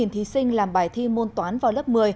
tám mươi tám thí sinh làm bài thi môn toán vào lớp một mươi